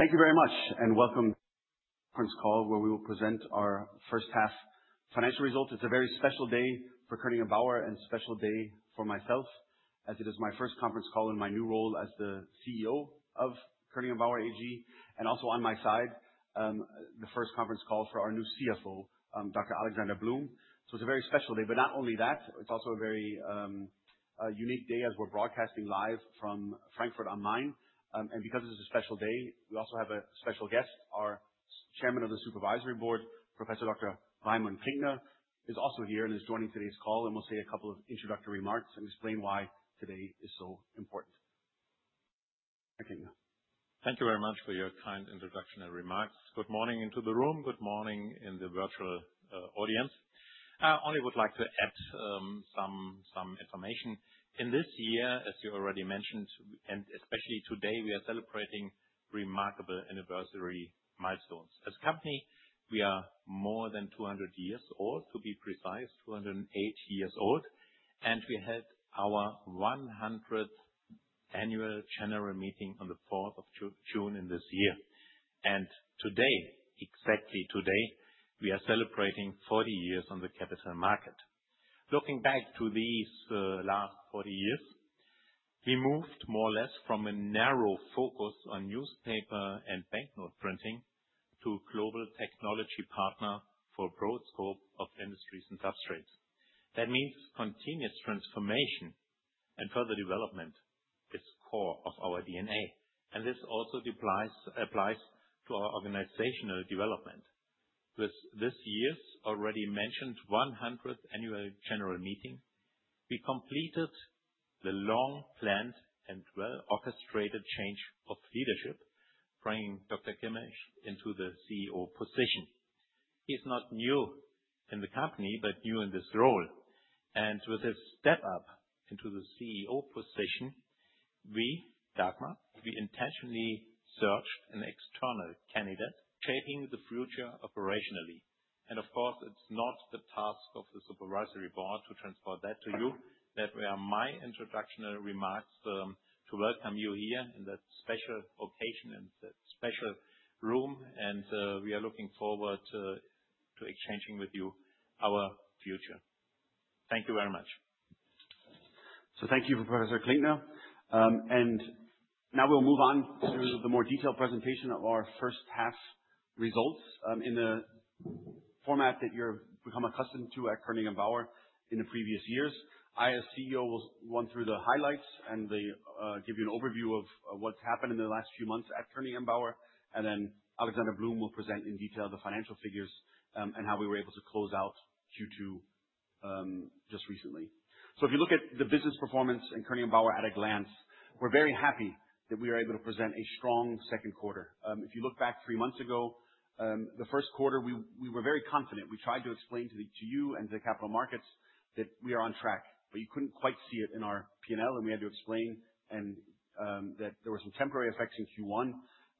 Thank you very much, welcome to the conference call where we will present our first half financial results. It's a very special day for Koenig & Bauer, a special day for myself as it is my first conference call in my new role as the CEO of Koenig & Bauer AG, also on my side, the first conference call for our new CFO, Dr. Alexander Blum. It's a very special day. Not only that, it's also a very unique day as we're broadcasting live from Frankfurt am Main. Because this is a special day, we also have a special guest, our Chairman of the Supervisory Board, Professor Dr. Raimund Klinkner, is also here and is joining today's call, will say a couple of introductory remarks and explain why today is so important. Thank you very much for your kind introduction and remarks. Good morning into the room. Good morning in the virtual audience. I only would like to add some information. In this year, as you already mentioned, especially today, we are celebrating remarkable anniversary milestones. As a company, we are more than 200 years old, to be precise, 208 years old, we had our 100th annual general meeting on the 4th of June this year. Today, exactly today, we are celebrating 40 years on the capital market. Looking back to these last 40 years, we moved more or less from a narrow focus on newspaper and banknote printing to a global technology partner for a broad scope of industries and substrates. That means continuous transformation and further development is core of our DNA, this also applies to our organizational development. With this year's already mentioned 100th annual general meeting, we completed the long-planned and well-orchestrated change of leadership, bringing Dr. Kimmich into the CEO position. He's not new in the company, new in this role. With his step up into the CEO position, we, Dagmar, intentionally searched an external candidate, shaping the future operationally. Of course, it's not the task of the Supervisory Board to transport that to you. That were my introduction remarks to welcome you here in that special location and that special room, we are looking forward to exchanging with you our future. Thank you very much. Thank you for Professor Klädtner. Now we'll move on to the more detailed presentation of our first half results, in the format that you've become accustomed to at Koenig & Bauer in the previous years. I, as CEO, will run through the highlights and give you an overview of what's happened in the last few months at Koenig & Bauer, Alexander Blum will present in detail the financial figures, how we were able to close out Q2 just recently. If you look at the business performance in Koenig & Bauer at a glance, we're very happy that we are able to present a strong second quarter. If you look back three months ago, the first quarter, we were very confident. We tried to explain to you and to the capital markets that we are on track, you couldn't quite see it in our P&L, we had to explain that there were some temporary effects in Q1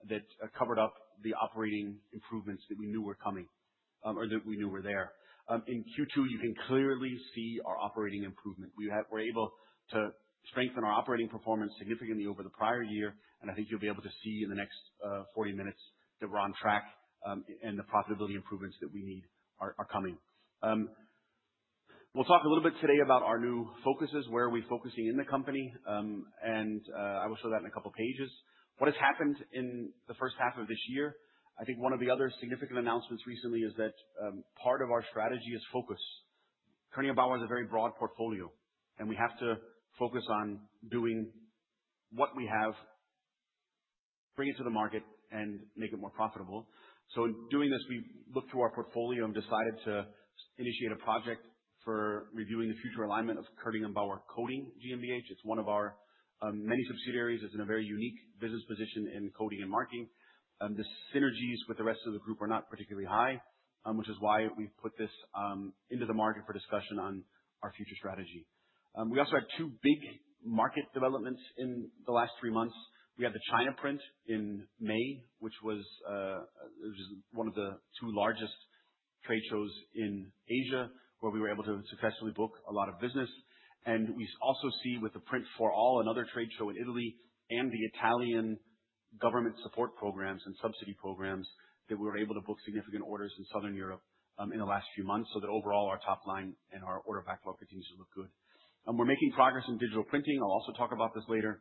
that covered up the operating improvements that we knew were coming, or that we knew were there. In Q2, you can clearly see our operating improvement. We were able to strengthen our operating performance significantly over the prior year, I think you'll be able to see in the next 40 minutes that we're on track, the profitability improvements that we need are coming. We'll talk a little bit today about our new focuses, where are we focusing in the company? I will show that in a couple of pages. What has happened in the first half of this year, I think one of the other significant announcements recently is that part of our strategy is focus. Koenig & Bauer has a very broad portfolio, we have to focus on doing what we have, bring it to the market, and make it more profitable. In doing this, we looked through our portfolio and decided to initiate a project for reviewing the future alignment of Koenig & Bauer Coding GmbH. It's one of our many subsidiaries. It's in a very unique business position in coating and marking. The synergies with the rest of the group are not particularly high, which is why we've put this into the market for discussion on our future strategy. We also had two big market developments in the last three months. We had the China Print in May, which was one of the two largest trade shows in Asia, where we were able to successfully book a lot of business. We also see with the Print4All, another trade show in Italy, and the Italian government support programs and subsidy programs, that we were able to book significant orders in Southern Europe in the last few months, overall our top line and our order backlog continues to look good. We're making progress in digital printing. I'll also talk about this later.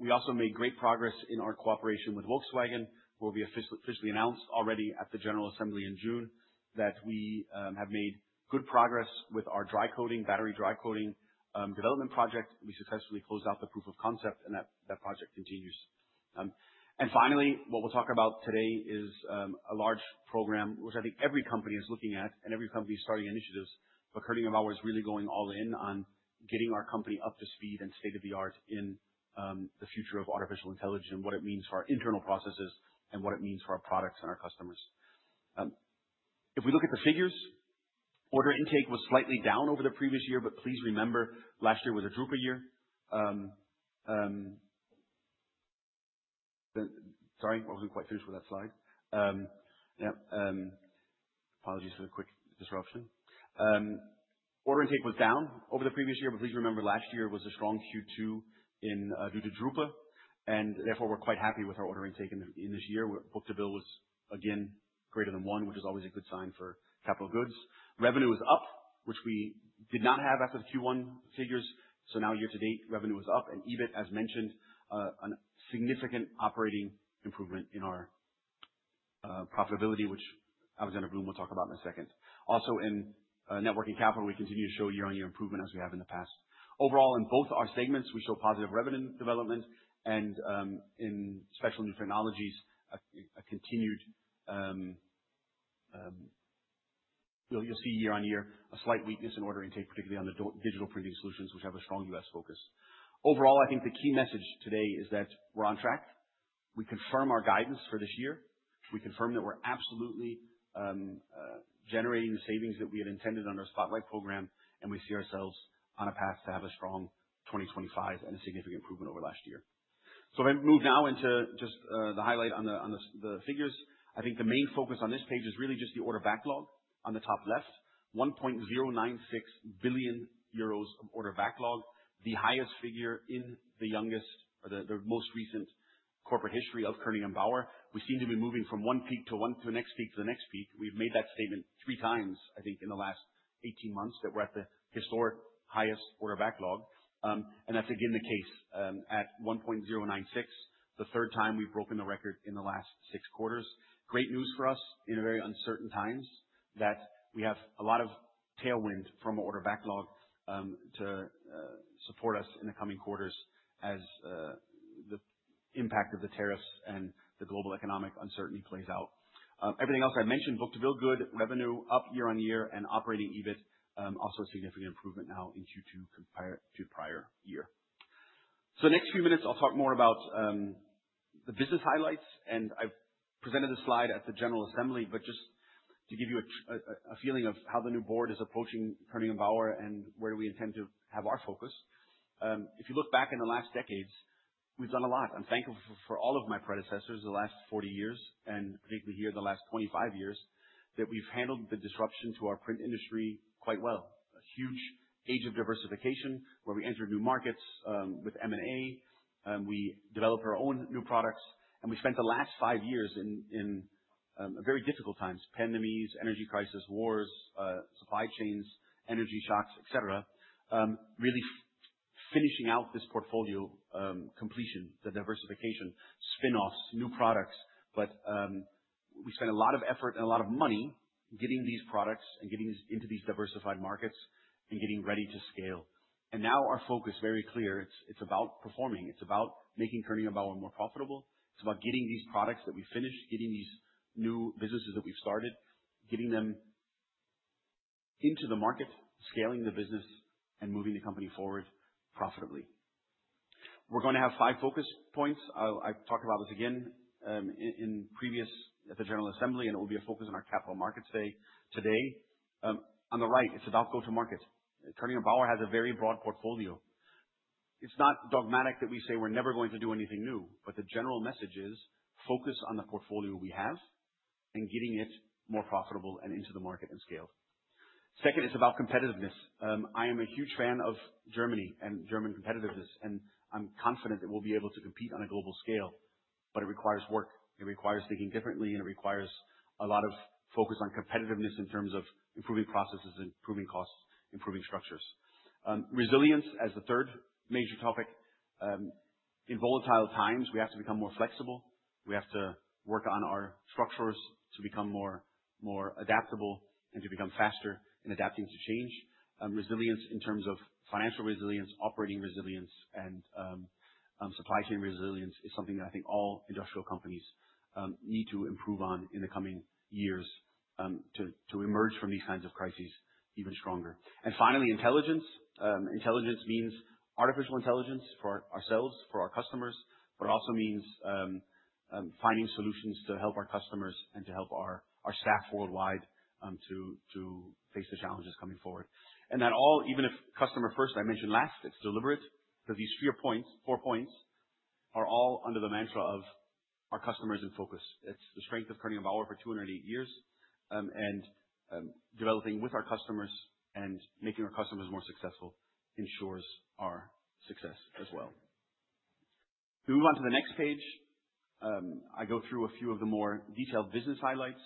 We also made great progress in our cooperation with Volkswagen, where we officially announced already at the general assembly in June that we have made good progress with our dry coating, battery dry coating development project. We successfully closed out the proof of concept, that project continues. Finally, what we'll talk about today is a large program, which I think every company is looking at and every company is starting initiatives, Koenig & Bauer is really going all in on getting our company up to speed and state-of-the-art in the future of artificial intelligence and what it means for our internal processes and what it means for our products and our customers. If we look at the figures, order intake was slightly down over the previous year, please remember, last year was a drupa year. Sorry, I wasn't quite finished with that slide. Yeah. Apologies for the quick disruption. Order intake was down over the previous year. Please remember last year was a strong Q2 due to drupa. Therefore, we're quite happy with our order intake in this year, where book-to-bill was again greater than one, which is always a good sign for capital goods. Revenue was up, which we did not have as of the Q1 figures. Now year-to-date, revenue is up and EBIT, as mentioned, a significant operating improvement in our profitability, which Alexander Blum will talk about in a second. Also in net working capital, we continue to show year-on-year improvement as we have in the past. Overall, in both our segments, we show positive revenue development and, in Special Ink Technologies, you'll see year-on-year a slight weakness in order intake, particularly on the digital preview solutions, which have a strong U.S. focus. Overall, I think the key message today is that we're on track. We confirm our guidance for this year. We confirm that we're absolutely generating the savings that we had intended on our Spotlight program. We see ourselves on a path to have a strong 2025 and a significant improvement over last year. If I move now into just the highlight on the figures. I think the main focus on this page is really just the order backlog on the top left, 1.096 billion euros of order backlog, the highest figure in the most recent corporate history of Koenig & Bauer. We seem to be moving from one peak to the next peak, to the next peak. We've made that statement three times, I think, in the last 18 months, that we're at the historic highest order backlog. That's again the case at 1.096, the third time we've broken the record in the last six quarters. Great news for us in very uncertain times, that we have a lot of tailwind from order backlog to support us in the coming quarters as the impact of the tariffs and the global economic uncertainty plays out. Everything else I mentioned, book-to-bill, good. Revenue up year-on-year and operating EBIT, also a significant improvement now in Q2 to prior year. The next few minutes, I'll talk more about the business highlights. I presented this slide at the general assembly, but just to give you a feeling of how the new board is approaching Koenig & Bauer and where we intend to have our focus. If you look back in the last decades, we've done a lot. I'm thankful for all of my predecessors the last 40 years. Particularly here the last 25 years, that we've handled the disruption to our print industry quite well. A huge age of diversification, where we enter new markets with M&A, we develop our own new products. We spent the last five years in very difficult times, pandemics, energy crisis, wars, supply chains, energy shocks, et cetera, really finishing out this portfolio completion, the diversification, spinoffs, new products. We spent a lot of effort and a lot of money getting these products and getting into these diversified markets and getting ready to scale. Now our focus is very clear. It's about performing. It's about making Koenig & Bauer more profitable. It's about getting these products that we finished, getting these new businesses that we've started, getting them into the market, scaling the business, and moving the company forward profitably. We're going to have five focus points. I talked about this again at the general assembly, it will be a focus on our capital markets day today. On the right, it's about go-to-market. Koenig & Bauer has a very broad portfolio. It's not dogmatic that we say we're never going to do anything new, but the general message is focus on the portfolio we have and getting it more profitable and into the market and scale. Second is about competitiveness. I am a huge fan of Germany and German competitiveness, and I'm confident that we'll be able to compete on a global scale, but it requires work. It requires thinking differently, it requires a lot of focus on competitiveness in terms of improving processes, improving costs, improving structures. Resilience as the third major topic. In volatile times, we have to become more flexible. We have to work on our structures to become more adaptable and to become faster in adapting to change. Resilience in terms of financial resilience, operating resilience, and supply chain resilience is something that I think all industrial companies need to improve on in the coming years to emerge from these kinds of crises even stronger. Finally, intelligence. Intelligence means artificial intelligence for ourselves, for our customers, but also means finding solutions to help our customers and to help our staff worldwide to face the challenges coming forward. That all, even if customer first I mentioned last, it's deliberate because these four points are all under the mantra of our customers in focus. It's the strength of Koenig & Bauer for 208 years. Developing with our customers and making our customers more successful ensures our success as well. If we move on to the next page, I go through a few of the more detailed business highlights.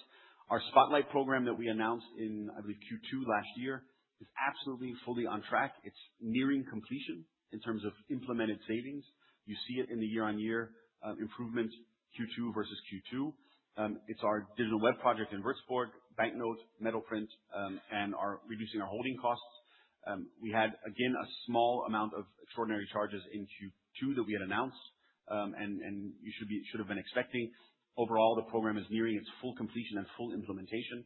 Our Spotlight program that we announced in, I believe, Q2 last year, is absolutely fully on track. It's nearing completion in terms of implemented savings. You see it in the year-on-year improvement Q2 versus Q2. It's our digital web project in Würzburg, bank notes, metal print, and reducing our holding costs. We had, again, a small amount of extraordinary charges in Q2 that we had announced, and you should have been expecting. Overall, the program is nearing its full completion and full implementation,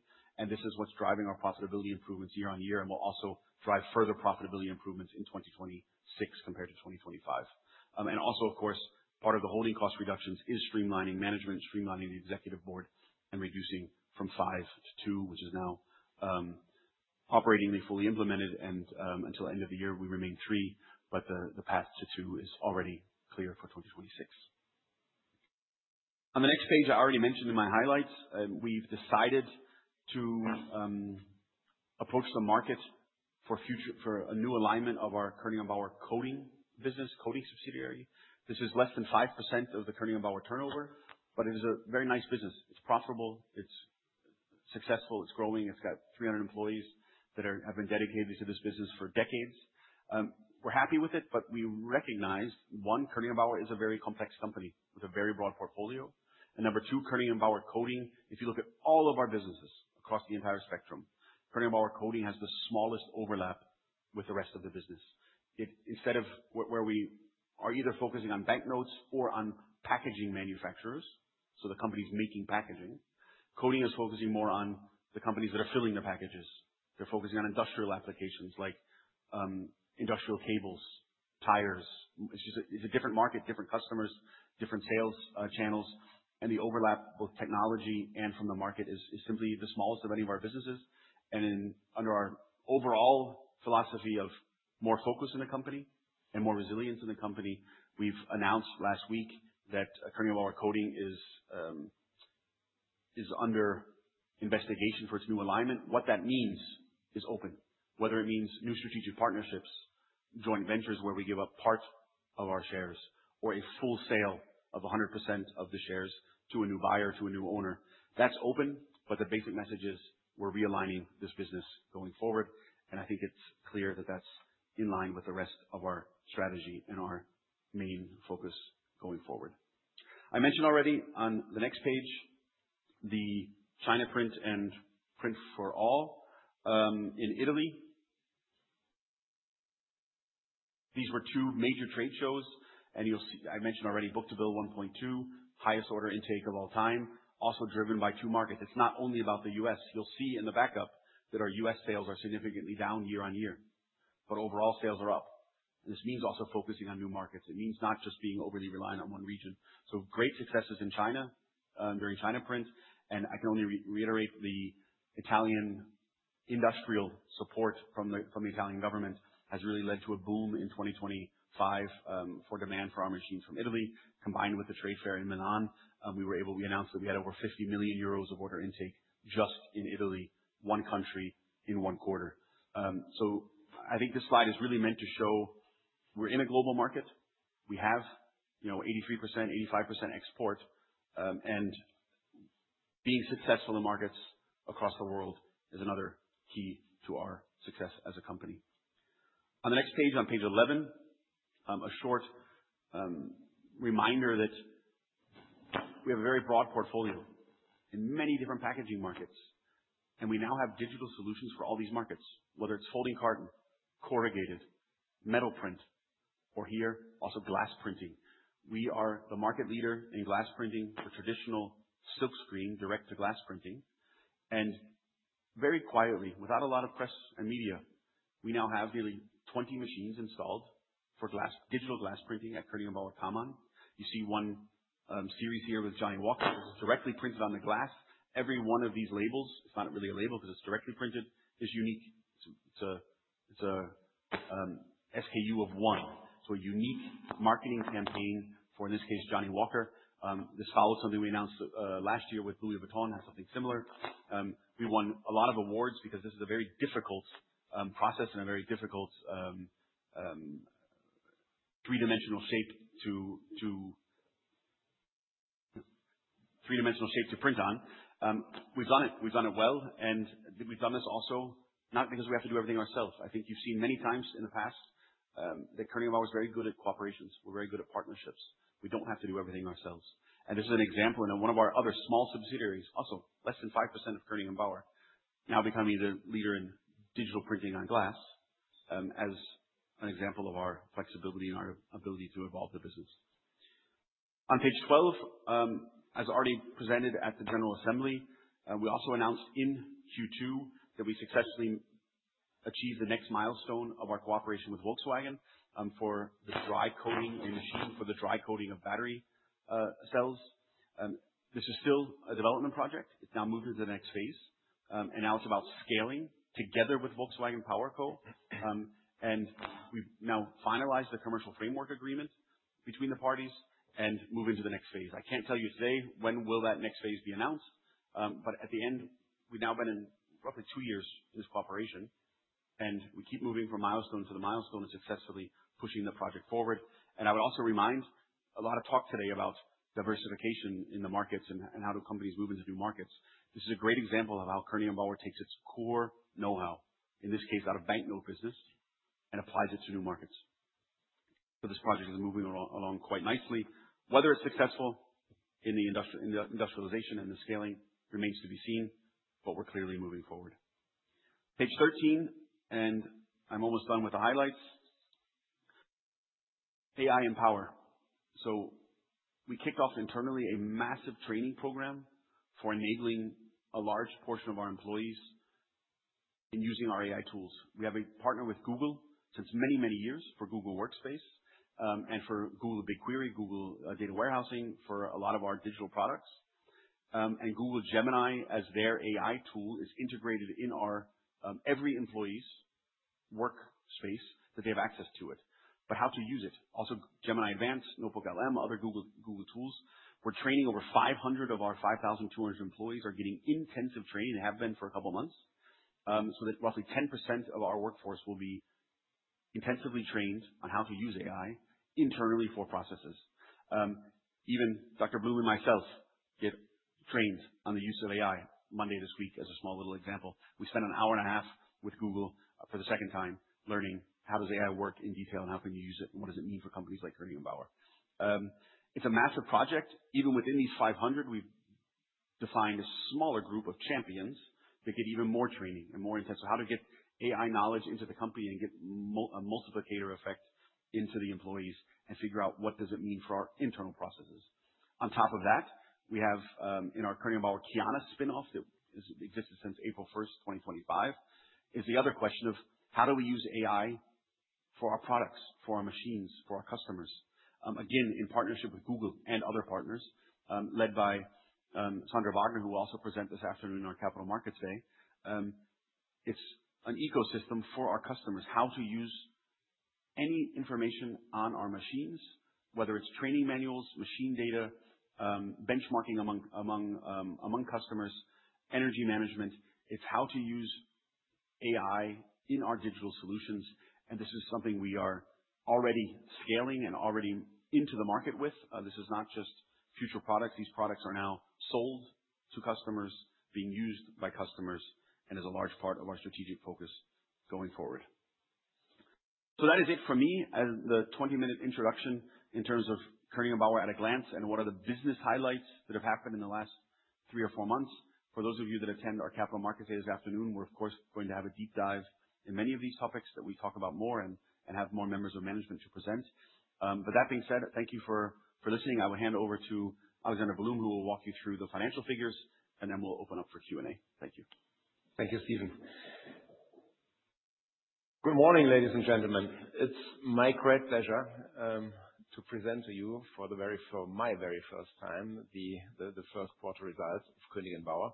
this is what's driving our profitability improvements year-on-year and will also drive further profitability improvements in 2026 compared to 2025. Also, of course, part of the holding cost reductions is streamlining management, streamlining the executive board, and reducing from five to two, which is now operatingly fully implemented. Until end of the year, we remain three, but the path to two is already clear for 2026. On the next page, I already mentioned in my highlights, we've decided to approach the market for a new alignment of our Koenig & Bauer Coating business, coating subsidiary. This is less than 5% of the Koenig & Bauer turnover, but it is a very nice business. It's profitable, it's successful, it's growing, it's got 300 employees that have been dedicated to this business for decades. We are happy with it, but we recognize, one, Koenig & Bauer is a very complex company with a very broad portfolio. Number two, Koenig & Bauer Coding, if you look at all of our businesses across the entire spectrum, Koenig & Bauer Coding has the smallest overlap with the rest of the business. Instead of where we are either focusing on banknotes or on packaging manufacturers, so the company's making packaging, Coding is focusing more on the companies that are filling their packages. They are focusing on industrial applications like industrial cables, tires. It is a different market, different customers, different sales channels, and the overlap, both technology and from the market, is simply the smallest of any of our businesses. Under our overall philosophy of more focus in the company and more resilience in the company, we have announced last week that Koenig & Bauer Coding is under investigation for its new alignment. What that means is open. Whether it means new strategic partnerships, joint ventures where we give up part of our shares or a full sale of 100% of the shares to a new buyer, to a new owner. That is open, but the basic message is we are realigning this business going forward, and I think it is clear that that is in line with the rest of our strategy and our main focus going forward. I mentioned already on the next page, the China Print and Print4All, in Italy. These were two major trade shows, and you will see I mentioned already, book-to-bill 1.2, highest order intake of all time, also driven by two markets. It is not only about the U.S., you will see in the backup that our U.S. sales are significantly down year-on-year. But overall sales are up, and this means also focusing on new markets. It means not just being overly reliant on one region. Great successes in China during China Print, and I can only reiterate the Italian industrial support from the Italian government has really led to a boom in 2025, for demand for our machines from Italy. Combined with the trade fair in Milan, we were able. We announced that we had over 50 million euros of order intake just in Italy, one country in one quarter. So I think this slide is really meant to show we are in a global market. We have 83%, 85% export, and being successful in markets across the world is another key to our success as a company. On the next page, on page 11, a short reminder that we have a very broad portfolio in many different packaging markets, and we now have digital solutions for all these markets, whether it is folding carton, corrugated, metal print, or here, also glass printing. We are the market leader in glass printing for traditional silkscreen direct-to-glass printing. Very quietly, without a lot of press and media, we now have nearly 20 machines installed for digital glass printing at Koenig & Bauer Kammann. You see one series here with Johnnie Walker. This is directly printed on the glass. Every one of these labels, it is not really a label because it is directly printed, is unique. It is a SKU of one. So a unique marketing campaign for, in this case, Johnnie Walker. This follows something we announced last year with Louis Vuitton on something similar. We won a lot of awards because this is a very difficult process and a very difficult three-dimensional shape to print on. We've done it. We've done it well. We've done this also not because we have to do everything ourselves. I think you've seen many times in the past that Koenig & Bauer is very good at cooperations. We're very good at partnerships. We don't have to do everything ourselves. This is an example in one of our other small subsidiaries, also less than 5% of Koenig & Bauer, now becoming the leader in digital printing on glass, as an example of our flexibility and our ability to evolve the business. On page 12, as already presented at the general assembly, we also announced in Q2 that we successfully achieved the next milestone of our cooperation with Volkswagen, for this dry coating and machine for the dry coating of battery cells. This is still a development project. It's now moved into the next phase, now it's about scaling together with Volkswagen PowerCo. We've now finalized the commercial framework agreement between the parties and move into the next phase. I can't tell you today when will that next phase be announced, but at the end, we've now been in roughly two years in this cooperation, we keep moving from milestone to the milestone and successfully pushing the project forward. I would also remind a lot of talk today about diversification in the markets and how do companies move into new markets. This is a great example of how Koenig & Bauer takes its core knowhow, in this case, out of banknote business, and applies it to new markets. This project is moving along quite nicely. Whether it's successful in the industrialization and the scaling remains to be seen, but we're clearly moving forward. Page 13, I'm almost done with the highlights. AI and power. We kicked off internally a massive training program for enabling a large portion of our employees in using our AI tools. We have a partner with Google since many, many years for Google Workspace, for Google BigQuery, Google data warehousing for a lot of our digital products. Google Gemini as their AI tool is integrated in our, every employee's workspace that they have access to it, but how to use it. Also, Gemini Advanced, NotebookLM, other Google tools. We're training over 500 of our 5,200 employees are getting intensive training, have been for a couple of months, so that roughly 10% of our workforce will be intensively trained on how to use AI internally for processes. Even Dr. Blum and myself get trained on the use of AI. Monday this week, as a small little example, we spent an hour and a half with Google for the second time learning how does AI work in detail, how can you use it, what does it mean for companies like Koenig & Bauer. It's a massive project. Even within these 500, we've defined a smaller group of champions that get even more training and more intense on how to get AI knowledge into the company and get a multiplicator effect into the employees and figure out what does it mean for our internal processes. On top of that, we have, in our Koenig & Bauer Kyana spinoff that existed since April 1, 2025, is the other question of how do we use AI for our products, for our machines, for our customers. Again, in partnership with Google and other partners, led by Sandra Wagner, who will also present this afternoon on Capital Markets Day. It is an ecosystem for our customers. How to use any information on our machines, whether it is training manuals, machine data, benchmarking among customers, energy management. It's how to use AI in our digital solutions, and this is something we are already scaling and already into the market with. This is not just future products. These products are now sold to customers, being used by customers, and is a large part of our strategic focus going forward. That is it from me as the 20-minute introduction in terms of Koenig & Bauer at a glance and what are the business highlights that have happened in the last three or four months. For those of you that attend our Capital Markets Day this afternoon, we are of course, going to have a deep dive in many of these topics that we talk about more and have more members of management to present. But that being said, thank you for listening. I will hand over to Alexander Blum, who will walk you through the financial figures, and then we will open up for Q&A. Thank you. Thank you, Stephen. Good morning, ladies and gentlemen. It is my great pleasure to present to you for my very first time, the first quarter results of Koenig & Bauer.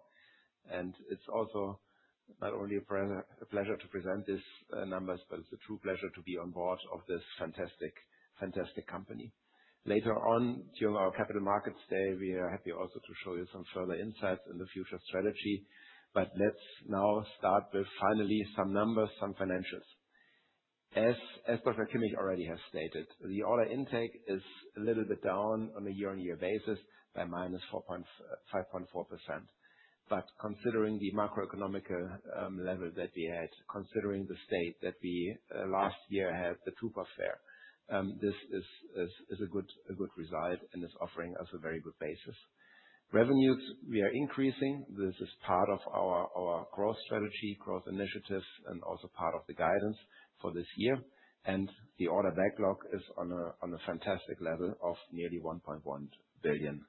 And it is also not only a pleasure to present these numbers, but it is a true pleasure to be on board of this fantastic company. Later on during our Capital Markets Day, we are happy also to show you some further insights in the future strategy. But let us now start with finally some numbers, some financials. As Dr. Kimmich already has stated, the order intake is a little bit down on a year-on-year basis by -5.4%. But considering the macroeconomic level that we had, considering the state that we last year had the drupa fair, this is a good result and is offering us a very good basis. Revenues, we are increasing. This is part of our growth strategy, growth initiatives, and also part of the guidance for this year. And the order backlog is on a fantastic level of nearly 1.1 billion.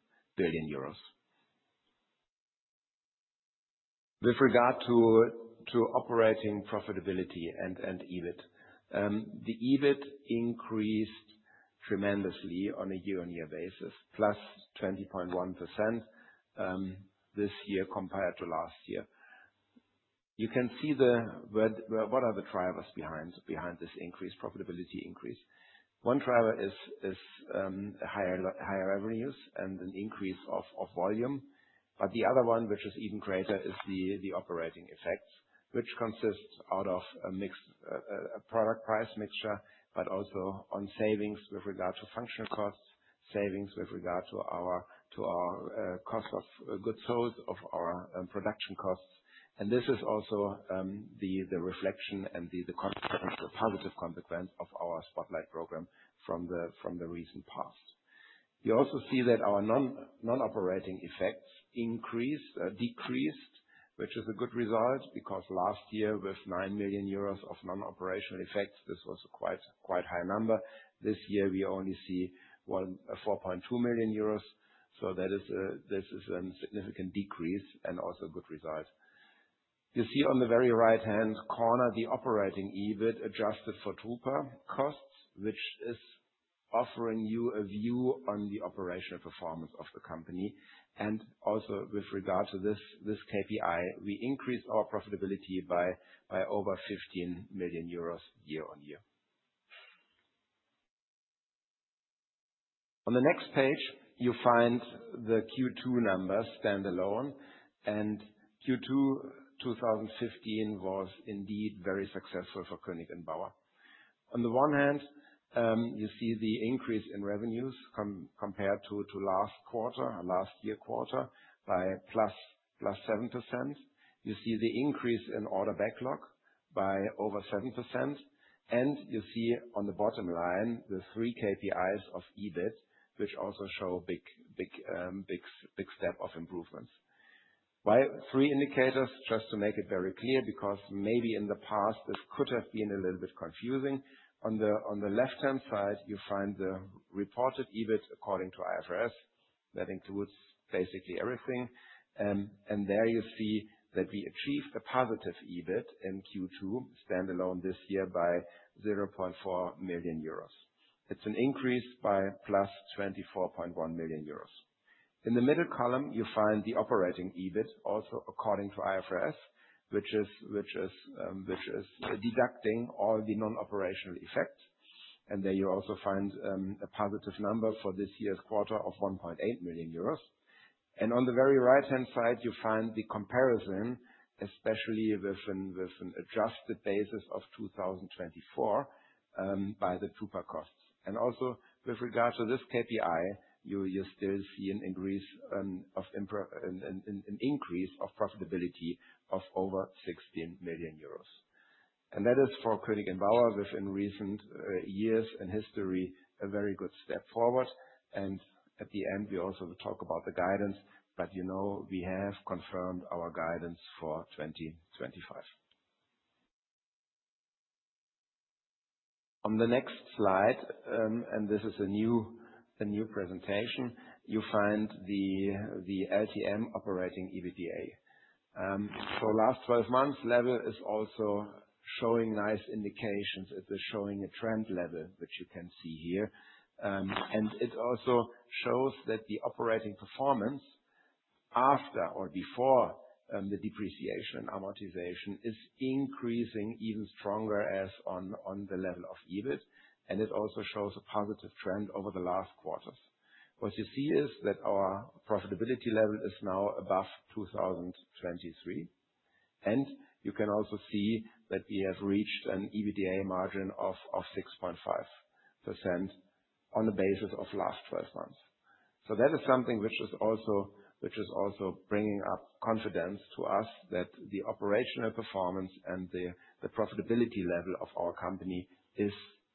With regard to operating profitability and EBIT. The EBIT increased tremendously on a year-on-year basis, +20.1% this year compared to last year. You can see what are the drivers behind this profitability increase. One driver is higher revenues and an increase of volume. But the other one, which is even greater, is the operating effects, which consists out of a product price mixture, but also on savings with regard to functional costs, savings with regard to our cost of goods sold, of our production costs. And this is also the reflection and the positive consequence of our Spotlight program from the recent past. You also see that our non-operating effects decreased, which is a good result because last year with 9 million euros of non-operational effects, this was a quite high number. This year we only see 4.2 million euros. This is a significant decrease and also a good result. You see on the very right-hand corner the operating EBIT adjusted for drupa costs, which is offering you a view on the operational performance of the company. Also with regard to this KPI, we increased our profitability by over 15 million euros year-on-year. On the next page, you'll find the Q2 numbers standalone. Q2 2015 was indeed very successful for Koenig & Bauer. On the one hand, you see the increase in revenues compared to last year quarter by +7%. You see the increase in order backlog by over 7%. You see on the bottom line the three KPIs of EBIT, which also show big step of improvements. Why three indicators? Just to make it very clear, because maybe in the past, this could have been a little bit confusing. On the left-hand side, you'll find the reported EBIT according to IFRS. That includes basically everything. There you see that we achieved a positive EBIT in Q2 standalone this year by 0.4 million euros. It's an increase by +24.1 million euros. In the middle column, you find the operating EBIT, also according to IFRS, which is deducting all the non-operational effects. There you also find a positive number for this year's quarter of 1.8 million euros. On the very right-hand side, you find the comparison, especially with an adjusted basis of 2024, by the drupa costs. Also with regard to this KPI, you still see an increase of profitability of over 16 million euros. That is for Koenig & Bauer, within recent years in history, a very good step forward. At the end, we also will talk about the guidance. You know, we have confirmed our guidance for 2025. On the next slide, this is a new presentation, you find the LTM operating EBITDA. Last 12 months level is also showing nice indications. It is showing a trend level, which you can see here. It also shows that the operating performance after or before the depreciation and amortization is increasing even stronger as on the level of EBIT. It also shows a positive trend over the last quarters. What you see is that our profitability level is now above 2023. You can also see that we have reached an EBITDA margin of 6.5% on the basis of last 12 months. That is something which is also bringing up confidence to us that the operational performance and the profitability level of our company is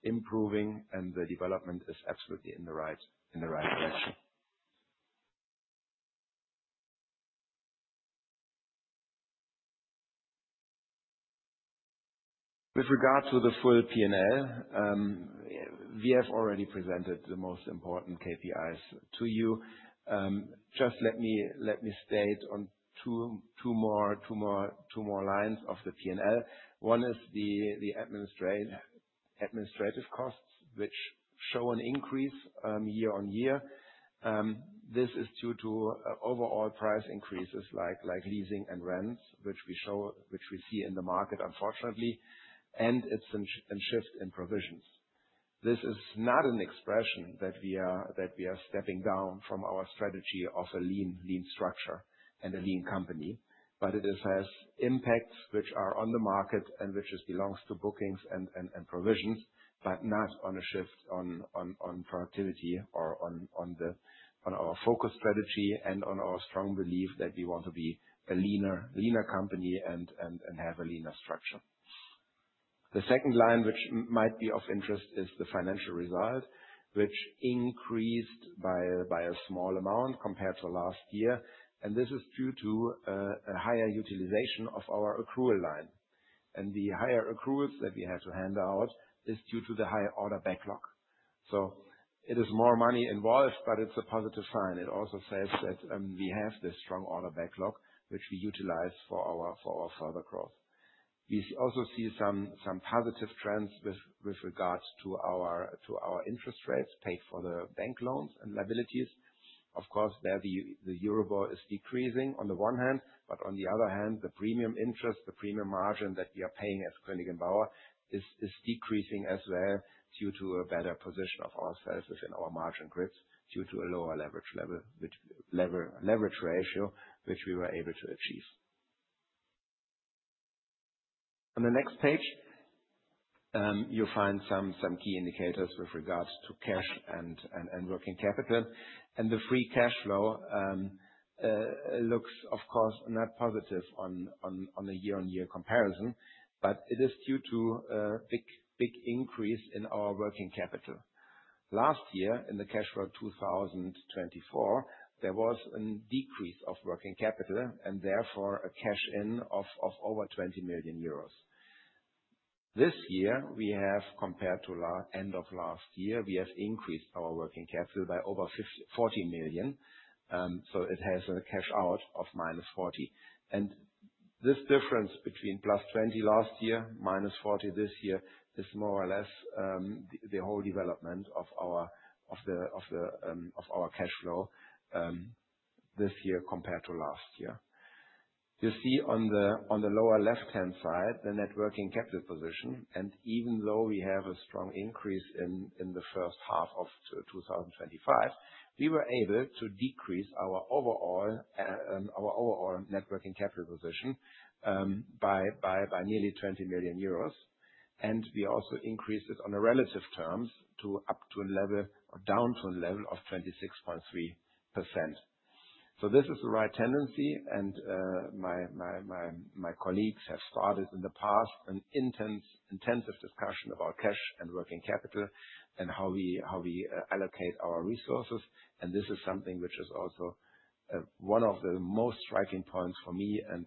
improving and the development is absolutely in the right direction. With regard to the full P&L, we have already presented the most important KPIs to you. Just let me state on two more lines of the P&L. One is the administrative costs, which show an increase year-on-year. This is due to overall price increases like leasing and rents, which we see in the market, unfortunately, and a shift in provisions. This is not an expression that we are stepping down from our strategy of a lean structure and a lean company, but it has impacts which are on the market and which belongs to bookings and provisions, but not on a shift on productivity or on our focus strategy and on our strong belief that we want to be a leaner company and have a leaner structure. The second line, which might be of interest, is the financial result, which increased by a small amount compared to last year. This is due to a higher utilization of our accrual line. The higher accruals that we had to handle out is due to the higher order backlog. It is more money involved, but it's a positive sign. It also says that we have this strong order backlog, which we utilize for our further growth. We also see some positive trends with regards to our interest rates paid for the bank loans and liabilities. Of course, the Euribor is decreasing on the one hand, but on the other hand, the premium interest, the premium margin that we are paying as Koenig & Bauer is decreasing as well due to a better position of our sales within our margin grids due to a lower leverage ratio, which we were able to achieve. On the next page, you'll find some key indicators with regards to cash and working capital. The free cash flow looks, of course, not positive on a year-on-year comparison, but it is due to a big increase in our working capital. Last year in the cash flow 2024, there was a decrease of working capital and therefore a cash in of over 20 million euros. This year, we have compared to end of last year, we have increased our working capital by over 40 million. It has a cash out of -40. This difference between +20 last year, -40 this year, is more or less the whole development of our cash flow this year compared to last year. You see on the lower left-hand side, the net working capital position. Even though we have a strong increase in the first half of 2025, we were able to decrease our overall net working capital position by nearly 20 million euros. We also increased it on a relative terms down to a level of 26.3%. This is the right tendency, and my colleagues have started in the past an intensive discussion about cash and working capital and how we allocate our resources. This is something which is also one of the most striking points for me and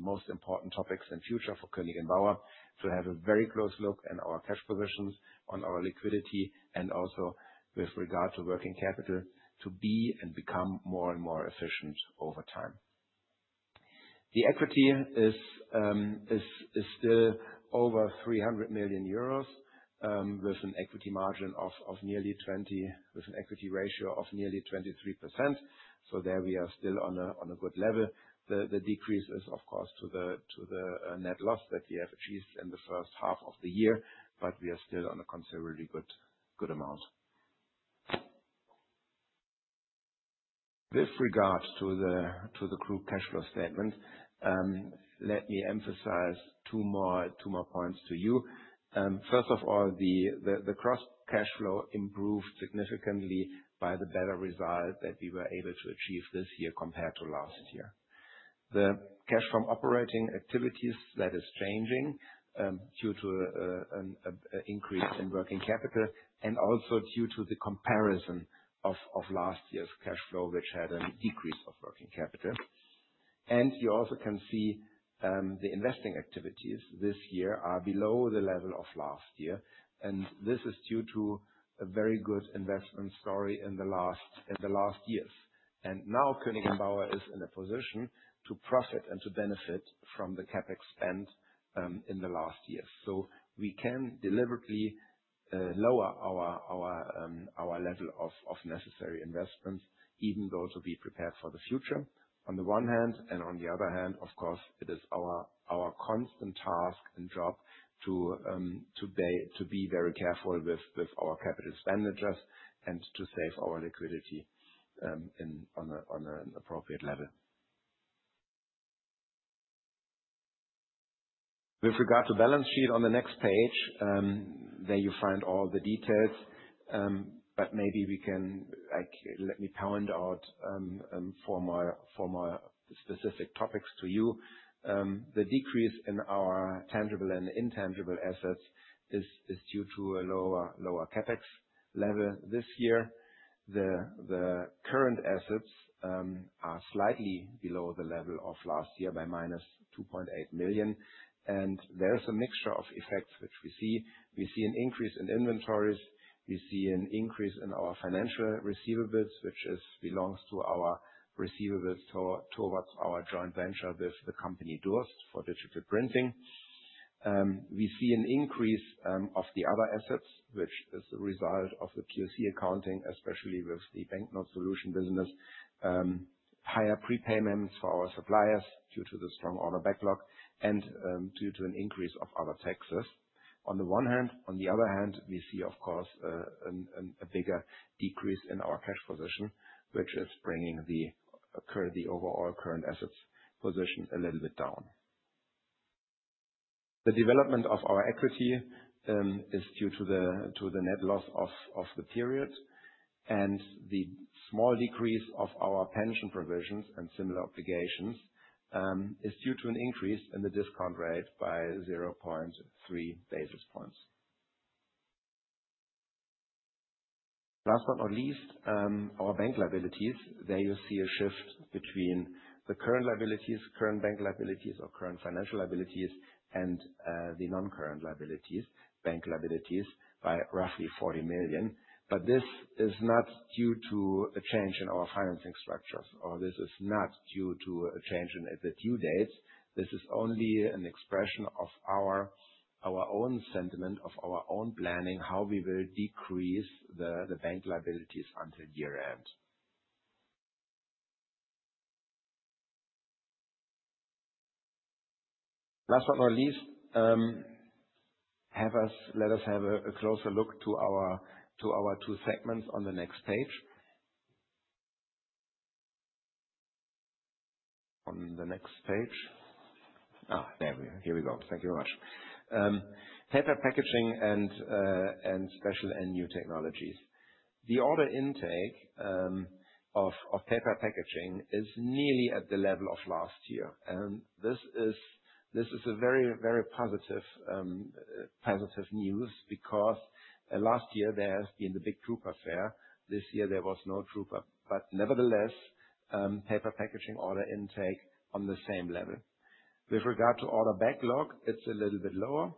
most important topics in future for Koenig & Bauer, to have a very close look in our cash provisions, on our liquidity, and also with regard to working capital, to be and become more and more efficient over time. The equity is still over 300 million euros, with an equity ratio of nearly 23%. There we are still on a good level. The decrease is, of course, to the net loss that we have achieved in the first half of the year, but we are still on a considerably good amount. With regards to the group cash flow statement, let me emphasize two more points to you. First of all, the gross cash flow improved significantly by the better result that we were able to achieve this year compared to last year. The cash from operating activities, that is changing due to an increase in working capital and also due to the comparison of last year's cash flow, which had a decrease of working capital. You also can see the investing activities this year are below the level of last year, and this is due to a very good investment story in the last years. Now Koenig & Bauer is in a position to profit and to benefit from the CapEx spend in the last years. We can deliberately lower our level of necessary investments, even though to be prepared for the future on the one hand, and on the other hand, of course, it is our constant task and job to be very careful with our capital expenditures and to save our liquidity on an appropriate level. With regard to balance sheet on the next page, there you find all the details. Maybe let me point out four more specific topics to you. The decrease in our tangible and intangible assets is due to a lower CapEx level this year. The current assets are slightly below the level of last year by minus 2.8 million. There is a mixture of effects which we see. We see an increase in inventories. We see an increase in our financial receivables, which belongs to our receivables towards our joint venture with the company Durst for digital printing. We see an increase of the other assets, which is a result of the POC accounting, especially with the banknote solution business. Higher prepayments for our suppliers due to the strong order backlog and due to an increase of other taxes on the one hand. On the other hand, we see, of course, a bigger decrease in our cash position, which is bringing the overall current assets position a little bit down. The development of our equity is due to the net loss of the period. The small decrease of our pension provisions and similar obligations is due to an increase in the discount rate by 0.3 basis points. Last but not least, our bank liabilities. There you see a shift between the current bank liabilities or current financial liabilities and the non-current liabilities, bank liabilities, by roughly 40 million. This is not due to a change in our financing structures, or this is not due to a change in the due dates. This is only an expression of our own sentiment, of our own planning, how we will decrease the bank liabilities until year-end. Last but not least, let us have a closer look to our two segments on the next page. On the next page. There we are. Here we go. Thank you very much. Paper Packaging and Special and New Technologies. The order intake of Paper Packaging is nearly at the level of last year. This is very positive news because last year there has been the big drupa fair. This year there was no drupa, nevertheless, Paper Packaging order intake on the same level. With regard to order backlog, it's a little bit lower,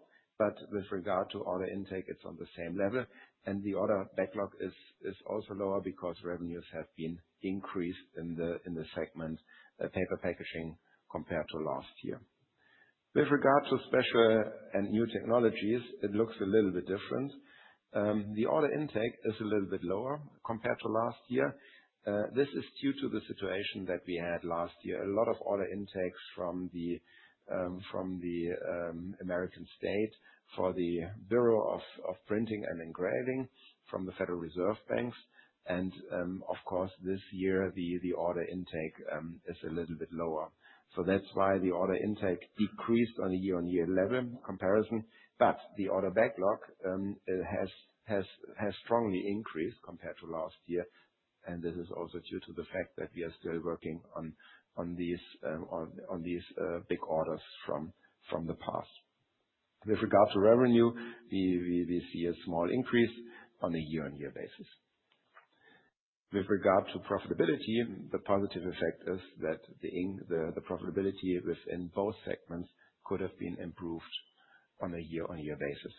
with regard to order intake, it's on the same level, The order backlog is also lower because revenues have been increased in the segment Paper Packaging compared to last year. With regard to Special and New Technologies, it looks a little bit different. The order intake is a little bit lower compared to last year. This is due to the situation that we had last year. A lot of order intakes from the American state for the Bureau of Engraving and Printing from the Federal Reserve banks. Of course, this year, the order intake is a little bit lower. That's why the order intake decreased on a year-on-year level comparison. But the order backlog has strongly increased compared to last year, and this is also due to the fact that we are still working on these big orders from the past. With regard to revenue, we see a small increase on a year-on-year basis. With regard to profitability, the positive effect is that the profitability within both segments could have been improved on a year-on-year basis.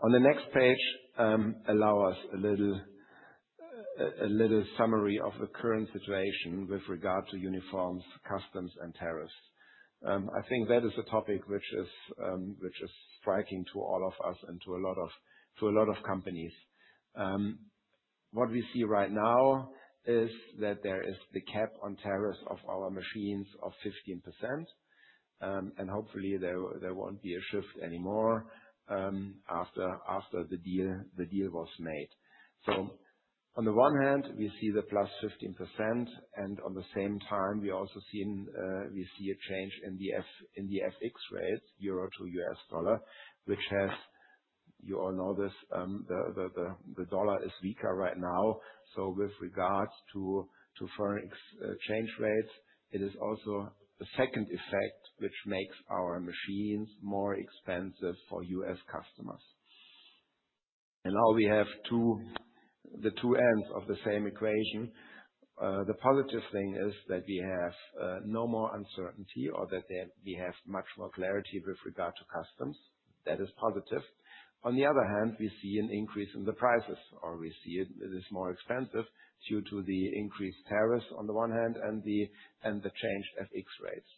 On the next page, allow us a little summary of the current situation with regard to uniforms, customs, and tariffs. I think that is a topic which is striking to all of us and to a lot of companies. What we see right now is that there is the cap on tariffs of our machines of 15%, and hopefully there won't be a shift anymore after the deal was made. On the one hand, we see the +15%, and at the same time, we also see a change in the FX rates, EUR to USD, which has, you all know this, the dollar is weaker right now. With regards to FX change rates, it is also a second effect which makes our machines more expensive for U.S. customers. Now we have the two ends of the same equation. The positive thing is that we have no more uncertainty or that we have much more clarity with regard to customs. That is positive. On the other hand, we see an increase in the prices, or we see it is more expensive due to the increased tariffs on the one hand and the change FX rates,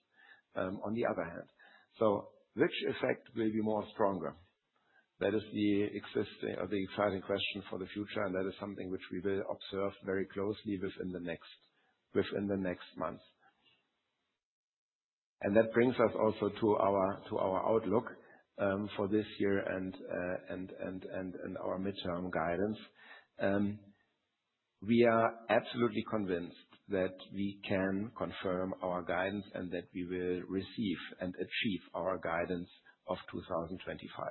on the other hand. Which effect will be more stronger? That is the exciting question for the future, and that is something which we will observe very closely within the next month. That brings us also to our outlook for this year and our mid-term guidance. We are absolutely convinced that we can confirm our guidance and that we will receive and achieve our guidance of 2025.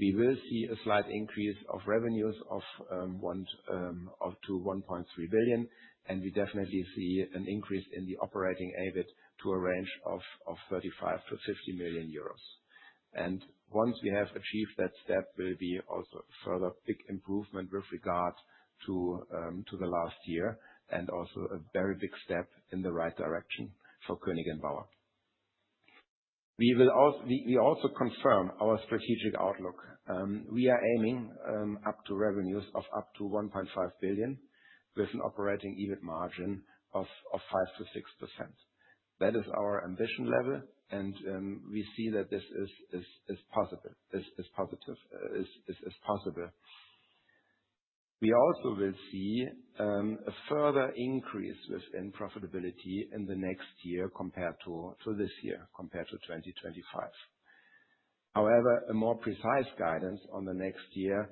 We will see a slight increase of revenues up to 1.3 billion, and we definitely see an increase in the operating EBIT to a range of 35 million-50 million euros. Once we have achieved that step will be also a further big improvement with regard to the last year, and also a very big step in the right direction for Koenig & Bauer. We also confirm our strategic outlook. We are aiming up to revenues of up to 1.5 billion with an operating EBIT margin of 5%-6%. That is our ambition level, and we see that this is possible. We also will see a further increase within profitability in the next year compared to this year, compared to 2025. A more precise guidance on the next year,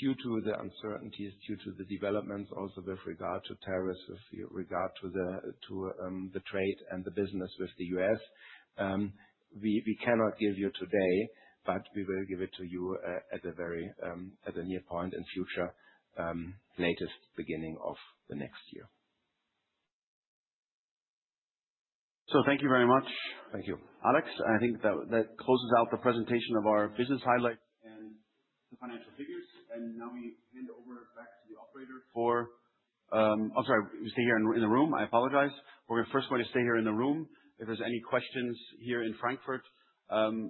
due to the uncertainties, due to the developments also with regard to tariffs, with regard to the trade and the business with the U.S., we cannot give you today, but we will give it to you at the near point in future, latest beginning of the next year. Thank you very much. Thank you. Alex, I think that closes out the presentation of our business highlights and the financial figures. Now we hand over back to the operator for I'm sorry, stay here in the room. I apologize. We're first going to stay here in the room. If there's any questions here in Frankfurt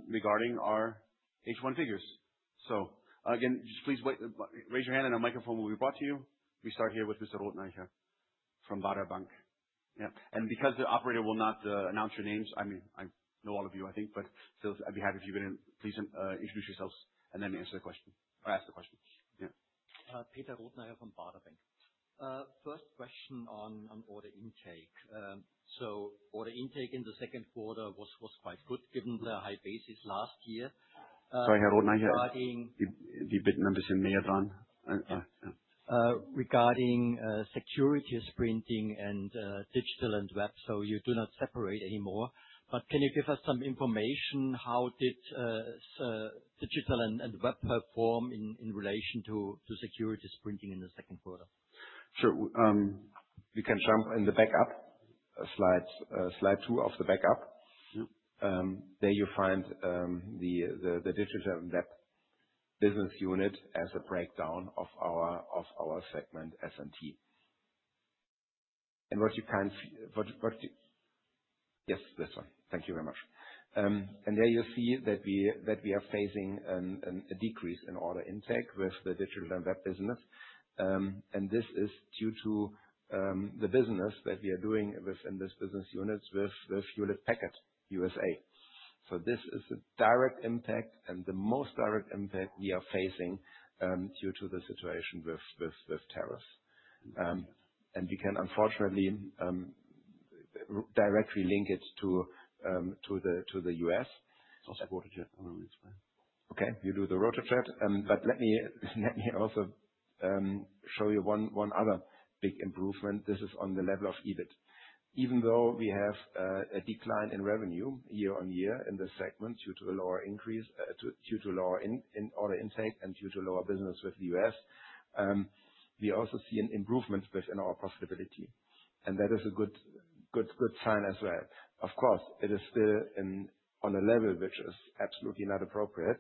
regarding our H1 figures. Again, just please raise your hand and a microphone will be brought to you. We start here with Mr. Rotnecher from Baader Bank. Yeah. Because the operator will not announce your names, I know all of you, I think, but still, I'd be happy if you can please introduce yourselves and then ask the question. Yeah. Peter Rotnecher from Baader Bank. First question on order intake. Order intake in the second quarter was quite good given the high basis last year. Sorry, Herr Rotnecher. Regarding security sprinting and digital and web, can you give us some information, how did digital and web perform in relation to security sprinting in the second quarter? Sure. We can jump in the backup slides. Slide two of the backup. Yep. There you find the Digital and Web Business Unit as a breakdown of our segment S&T. Yes, this one. Thank you very much. There you see that we are facing a decrease in order intake with the digital and web business. This is due to the business that we are doing within this business unit with Hewlett Packard U.S. This is the direct impact and the most direct impact we are facing due to the situation with tariffs. We can unfortunately directly link it to the U.S. Also RotaJET. You do the RotaJET. Let me also show you one other big improvement. This is on the level of EBIT. Even though we have a decline in revenue year-over-year in this segment due to lower order intake and due to lower business with the U.S., we also see an improvement within our profitability. That is a good sign as well. Of course, it is still on a level which is absolutely not appropriate,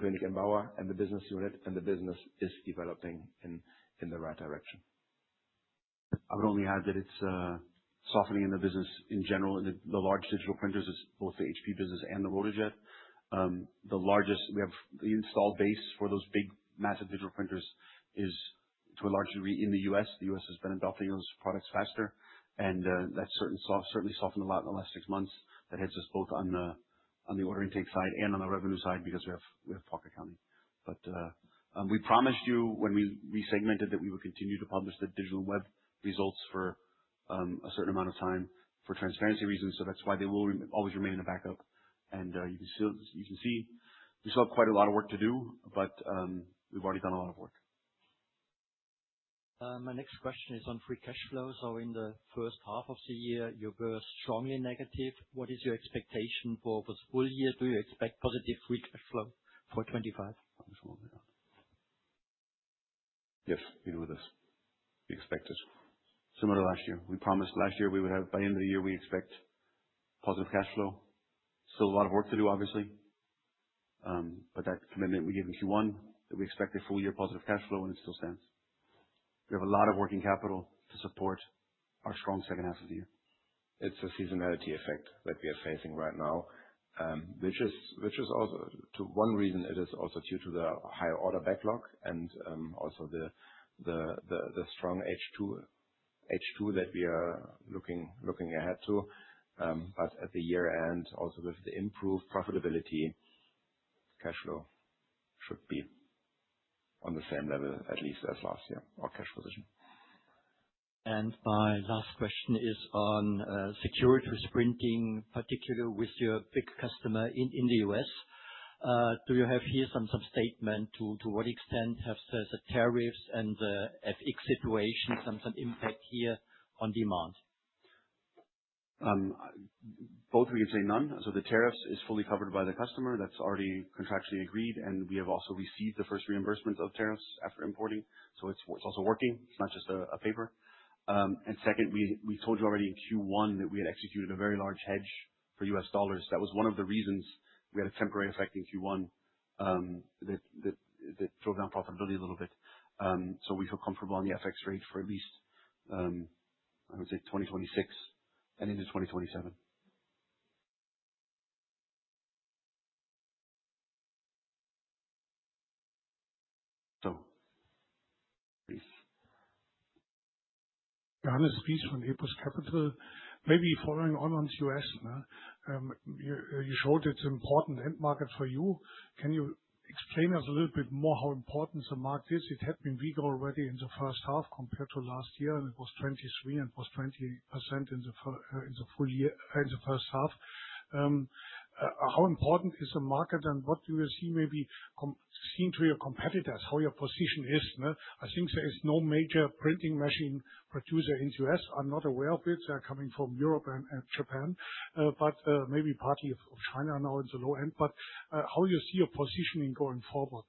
Koenig & Bauer and the business unit and the business is developing in the right direction. I would only add that it's softening in the business in general, in the large digital printers. It's both the HP business and the RotaJET. The install base for those big massive digital printers is to a large degree in the U.S. The U.S. has been adopting those products faster, that certainly softened a lot in the last six months. That hits us both on the order intake side and on the revenue side, because we have pocket counting. We promised you when we segmented that we would continue to publish the digital web results for a certain amount of time for transparency reasons, that's why they will always remain in the backup. You can see we still have quite a lot of work to do, we've already done a lot of work. My next question is on free cash flow. In the first half of the year, you were strongly negative. What is your expectation for the full year? Do you expect positive free cash flow for 2025? Yes. We do this. We expect it similar last year. We promised last year, by end of the year, we expect positive cash flow. Still a lot of work to do, obviously. That commitment we gave in Q1, that we expect a full year positive cash flow, it still stands. We have a lot of working capital to support our strong second half of the year. It's a seasonality effect that we are facing right now. To one reason, it is also due to the higher order backlog and also the strong H2 that we are looking ahead to. At the year-end, also with the improved profitability, cash flow should be on the same level at least as last year, our cash position. My last question is on security printing, particularly with your big customer in the U.S. Do you have here some statement to what extent have the tariffs and the FX situation had some impact here on demand? Both we would say none. The tariffs is fully covered by the customer. That's already contractually agreed, and we have also received the first reimbursement of tariffs after importing. It's also working. It's not just a paper. Second, we told you already in Q1 that we had executed a very large hedge for US dollars. That was one of the reasons we had a temporary effect in Q1, that drove down profitability a little bit. We feel comfortable on the FX rate for at least, I would say 2026 and into 2027. Please. Johannes Wiese from Epus Capital. Maybe following on U.S. You showed it's an important end market for you. Can you explain us a little bit more how important the market is? It had been weak already in the first half compared to last year, and it was 23% and it was 20% in the first half. How important is the market and what do you see maybe compared to your competitors, how your position is? I think there is no major printing machine producer in U.S. I'm not aware of it. They are coming from Europe and Japan. Maybe partly of China now in the low end. How you see your positioning going forward?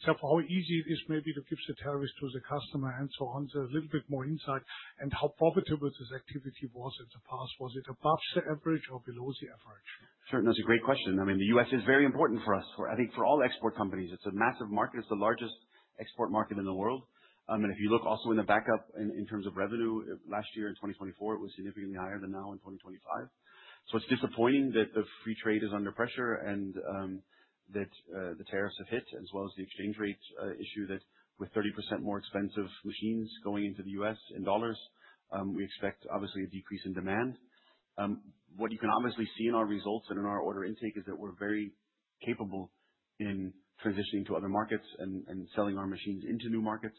Except for how easy it is maybe to give the tariffs to the customer and so on. A little bit more insight. How profitable this activity was in the past. Was it above the average or below the average? Sure. No, it's a great question. The U.S. is very important for us. I think for all export companies, it's a massive market. It's the largest export market in the world. If you look also in the backup in terms of revenue, last year in 2024, it was significantly higher than now in 2025. It's disappointing that the free trade is under pressure and that the tariffs have hit as well as the exchange rate issue that with 30% more expensive machines going into the U.S. in dollars, we expect obviously a decrease in demand. You can obviously see in our results and in our order intake is that we're very capable in transitioning to other markets and selling our machines into new markets,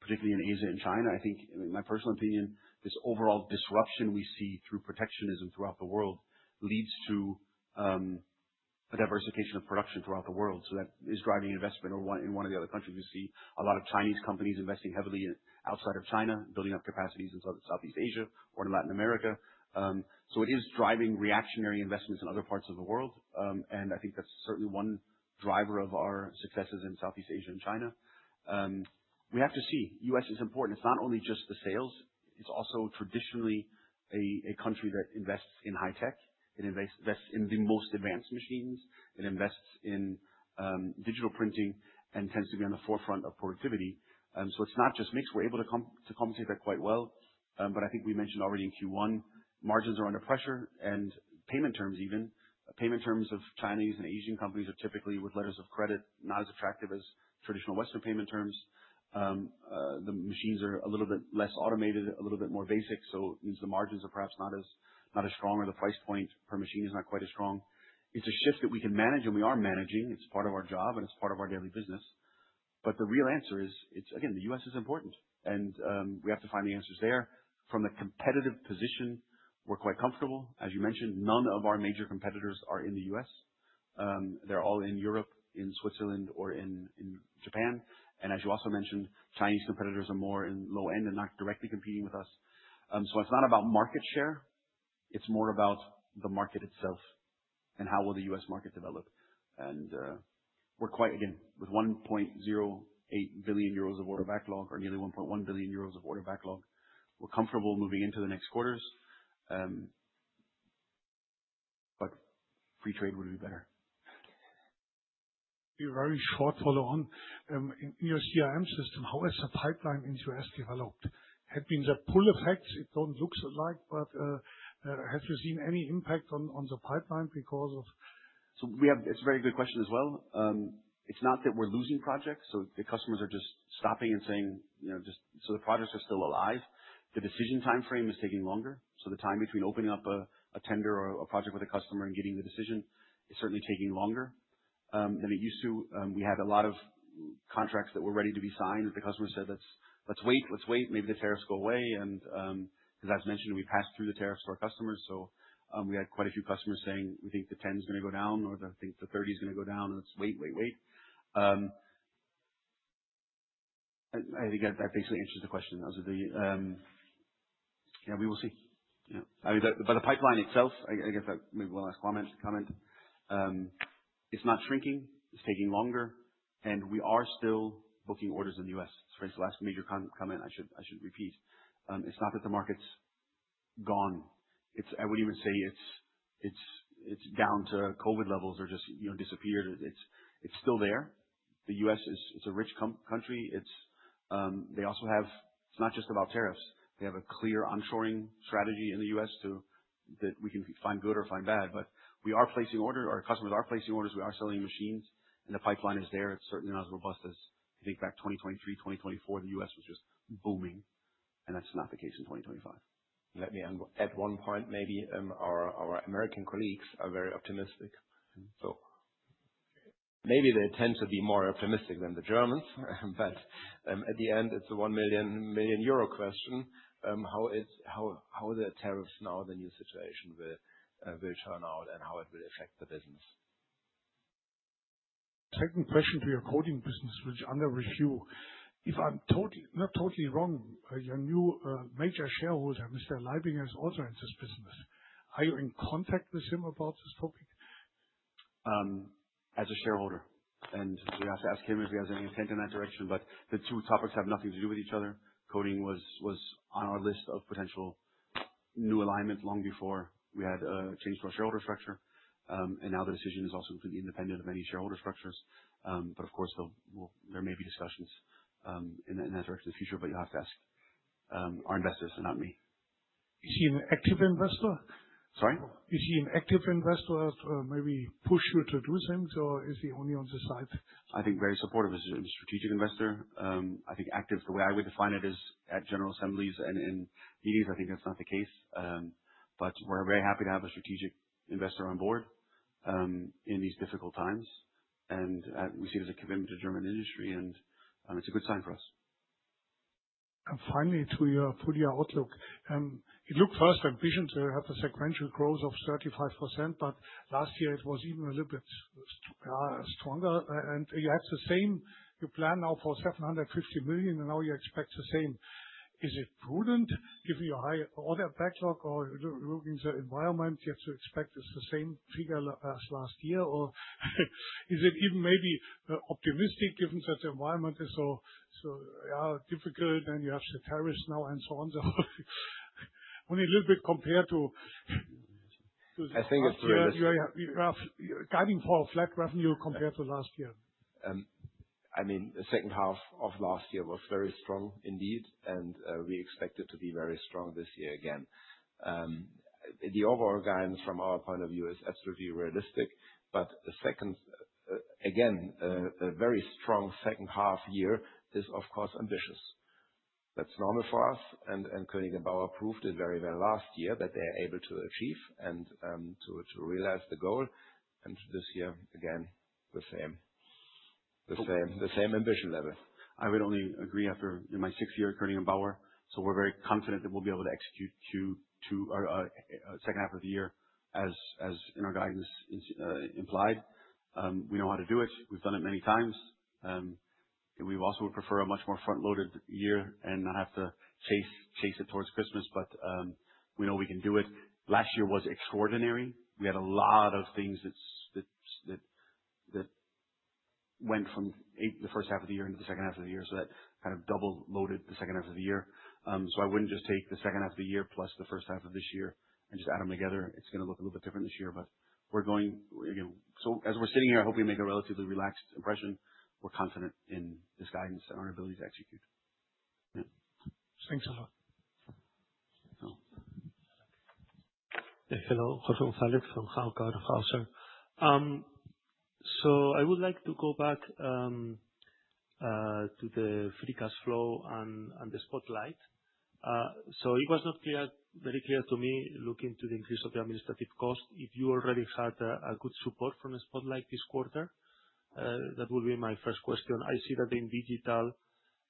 particularly in Asia and China. I think, my personal opinion, this overall disruption we see through protectionism throughout the world leads to a diversification of production throughout the world. That is driving investment in one of the other countries. We see a lot of Chinese companies investing heavily outside of China, building up capacities in Southeast Asia or in Latin America. It is driving reactionary investments in other parts of the world. I think that's certainly one driver of our successes in Southeast Asia and China. We have to see. U.S. is important. It's not only just the sales, it's also traditionally a country that invests in high tech, it invests in the most advanced machines. It invests in digital printing and tends to be on the forefront of productivity. It's not just mix. We're able to compensate that quite well. I think we mentioned already in Q1, margins are under pressure and payment terms even. Payment terms of Chinese and Asian companies are typically with letters of credit, not as attractive as traditional Western payment terms. The machines are a little bit less automated, a little bit more basic, so it means the margins are perhaps not as strong or the price point per machine is not quite as strong. It's a shift that we can manage and we are managing. It's part of our job and it's part of our daily business. The real answer is, again, the U.S. is important and we have to find the answers there. From the competitive position, we're quite comfortable. As you mentioned, none of our major competitors are in the U.S. They're all in Europe, in Switzerland or in Japan. As you also mentioned, Chinese competitors are more in low end and not directly competing with us. It's not about market share, it's more about the market itself and how will the U.S. market develop. We're quite, again, with 1.08 billion euros of order backlog or nearly 1.1 billion euros of order backlog, we're comfortable moving into the next quarters. Free trade would be better. A very short follow-on. In your CRM system, how has the pipeline into U.S. developed? Had been the pull effect, it don't look like, but have you seen any impact on the pipeline because of It's a very good question as well. It's not that we're losing projects. The projects are still alive. The decision time frame is taking longer. The time between opening up a tender or a project with a customer and getting the decision is certainly taking longer than it used to. We had a lot of contracts that were ready to be signed, but the customer said, "Let's wait, maybe the tariffs go away." Because as mentioned, we passed through the tariffs to our customers, we had quite a few customers saying, "We think the 10% is going to go down," or, "I think the 30% is going to go down. Let's wait." I think that basically answers the question. We will see. The pipeline itself, I guess maybe one last comment. It's not shrinking, it's taking longer, and we are still booking orders in the U.S. Sorry, it's the last major comment I should repeat. It's not that the market's gone. I wouldn't even say it's down to COVID levels or just disappeared. It's still there. The U.S. is a rich country. It's not just about tariffs. They have a clear onshoring strategy in the U.S. too, that we can find good or find bad, but we are placing orders. Our customers are placing orders, we are selling machines, and the pipeline is there. It's certainly not as robust as, I think back 2023, 2024, the U.S. was just booming, and that's not the case in 2025. Let me add one point maybe. Our American colleagues are very optimistic. Maybe they tend to be more optimistic than the Germans but, at the end, it's a 1 million question, how the tariffs now, the new situation will turn out, and how it will affect the business. Second question to your coding business, which under review. If I'm not totally wrong, your new major shareholder, Mr. Leibinger, is also in this business. Are you in contact with him about this topic? As a shareholder. We have to ask him if he has any intent in that direction. The two topics have nothing to do with each other. Coding was on our list of potential new alignment long before we had a change to our shareholder structure. Now the decision is also completely independent of any shareholder structures. Of course, there may be discussions in that direction in the future, but you have to ask our investors and not me. Is he an active investor? Sorry? Is he an active investor to maybe push you to do things, or is he only on the side? I think very supportive as a strategic investor. I think active, the way I would define it is at general assemblies and in meetings. I think that's not the case. We're very happy to have a strategic investor on board in these difficult times. We see it as a commitment to German industry, and it's a good sign for us. Finally, to your full-year outlook. It looked first ambitious to have the sequential growth of 35%, Last year it was even a little bit stronger. You had the same. You plan now for 750 million, and now you expect the same. Is it prudent given your high order backlog or looking at the environment you have to expect the same figure as last year? Is it even maybe optimistic given that the environment is so difficult and you have the tariffs now and so on? I think it's realistic last year you have guiding for a flat revenue compared to last year. The second half of last year was very strong indeed. We expect it to be very strong this year again. The overall guidance from our point of view is absolutely realistic, again, a very strong second half year is, of course, ambitious. That's normal for us, and Koenig & Bauer proved it very well last year that they are able to achieve and to realize the goal. This year, again, the same ambition level. I would only agree. After my sixth year at Koenig & Bauer, we're very confident that we'll be able to execute to our second half of the year as in our guidance is implied. We know how to do it. We've done it many times. We also would prefer a much more front-loaded year and not have to chase it towards Christmas, we know we can do it. Last year was extraordinary. We had a lot of things that went from the first half of the year into the second half of the year, that kind of double loaded the second half of the year. I wouldn't just take the second half of the year plus the first half of this year and just add them together. It's going to look a little bit different this year. As we're sitting here, I hope we make a relatively relaxed impression. We're confident in this guidance and our ability to execute. Thanks a lot. No. Hello, Jose Gonzalez from Hauck & Aufhäuser. I would like to go back to the free cash flow and the Spotlight. It was not very clear to me, looking into the increase of the administrative cost, if you already had a good support from the Spotlight this quarter. That will be my first question. I see that in digital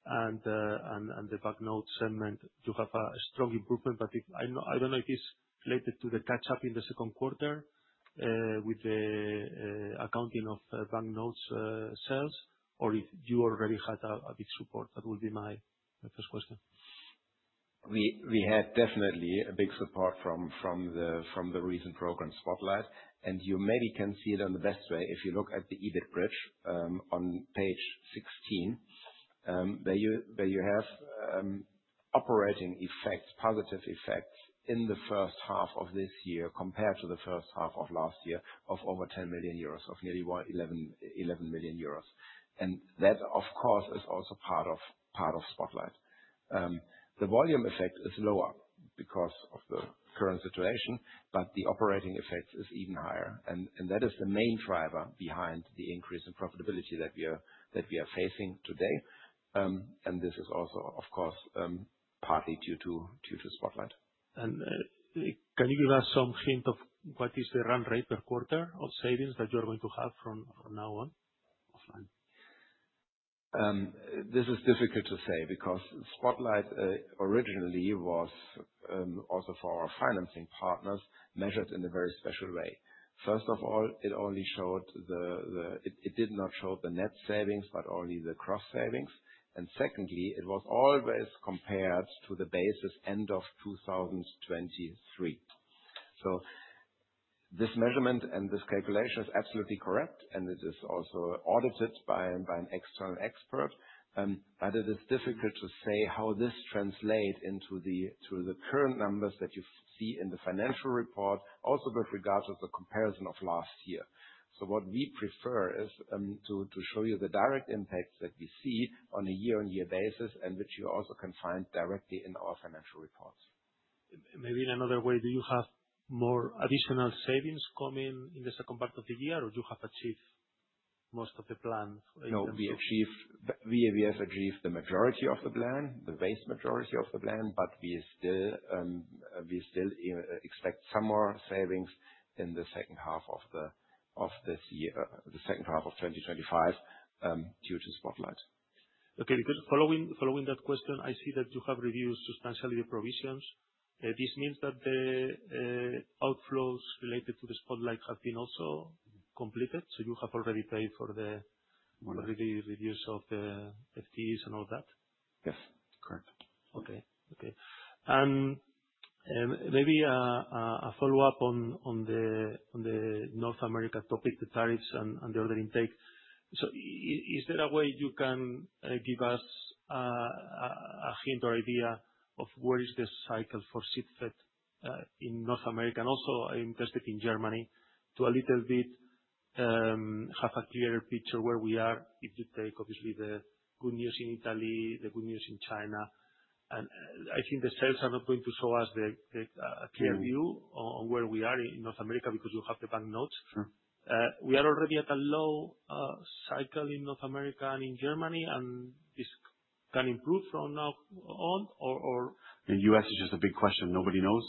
and the banknote segment, you have a strong improvement. I don't know if it's related to the catch-up in the second quarter, with the accounting of banknotes sales or if you already had a big support. That will be my first question. We had definitely a big support from the recent program, Spotlight. You maybe can see it in the best way if you look at the EBIT bridge, on page 16. There you have operating effects, positive effects in the first half of this year compared to the first half of last year of over 10 million euros, of nearly 11 million euros. That, of course, is also part of Spotlight. The volume effect is lower because of the current situation, but the operating effect is even higher. That is the main driver behind the increase in profitability that we are facing today. This is also, of course, partly due to Spotlight. Can you give us some hint of what is the run rate per quarter of savings that you are going to have from now on? This is difficult to say because Spotlight originally was also for our financing partners, measured in a very special way. First of all, it did not show the net savings, but only the cross savings. Secondly, it was always compared to the basis end of 2023. This measurement and this calculation is absolutely correct, and it is also audited by an external expert. It is difficult to say how this translates into the current numbers that you see in the financial report, also with regards of the comparison of last year. What we prefer is to show you the direct impacts that we see on a year-on-year basis, and which you also can find directly in our financial reports. Maybe in another way, do you have more additional savings coming in the second part of the year, or you have achieved most of the plan in terms of- No, we have achieved the majority of the plan, the vast majority of the plan, but we still expect some more savings in the second half of this year, the second half of 2025, due to Spotlight. Okay, good. Following that question, I see that you have reduced substantially your provisions. This means that the outflows related to the Spotlight have been also completed. You have already paid for the- One reviews of the FTEs and all that? Yes, correct. Okay. Maybe a follow-up on the North America topic, the tariffs and the order intake. Is there a way you can give us a hint or idea of where is the cycle for Sheetfed in North America? Also, I'm interested in Germany to a little bit have a clearer picture where we are. If you take, obviously, the good news in Italy, the good news in China, and I think the sales are not going to show us the clear view on where we are in North America because you have the back notes. Sure. We are already at a low cycle in North America and in Germany, this can improve from now on or In the U.S., it's just a big question. Nobody knows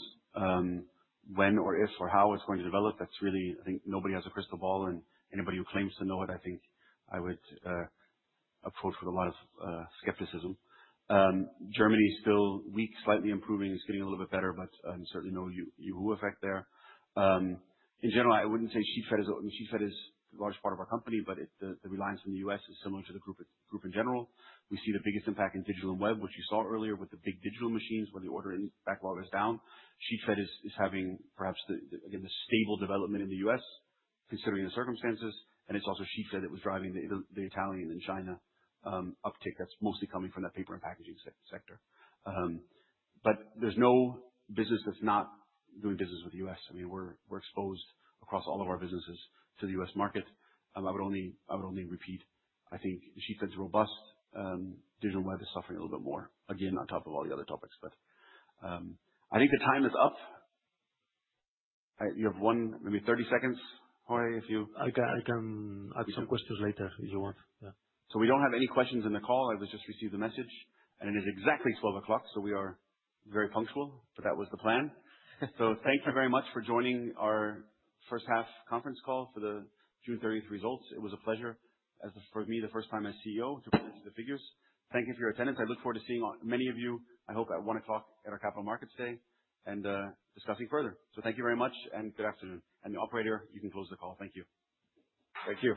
when or if or how it's going to develop. That's really, I think, nobody has a crystal ball and anybody who claims to know it, I think I would approach with a lot of skepticism. Germany is still weak, slightly improving. It's getting a little bit better, certainly no Yoo-hoo effect there. In general, I wouldn't say Sheetfed is the largest part of our company, the reliance on the U.S. is similar to the group in general. We see the biggest impact in digital and web, which you saw earlier with the big digital machines, where the order backlog was down. Sheetfed is having perhaps, again, the stable development in the U.S. considering the circumstances, it's also Sheetfed that was driving the Italian and China uptick. That's mostly coming from that paper and packaging sector. There's no business that's not doing business with the U.S. We're exposed across all of our businesses to the U.S. market. I would only repeat. I think Sheetfed is robust. Digital web is suffering a little bit more, again, on top of all the other topics. I think the time is up. You have one, maybe 30 seconds, Jorge, if you- I can ask some questions later if you want. Yeah. We don't have any questions in the call. I was just received the message, and it is exactly 12 o'clock, so we are very punctual. That was the plan. Thank you very much for joining our first half conference call for the June 30th results. It was a pleasure as for me, the first time as CEO to present the figures. Thank you for your attendance. I look forward to seeing many of you, I hope at one o'clock at our capital market today and discussing further. Thank you very much, and good afternoon. The operator, you can close the call. Thank you. Thank you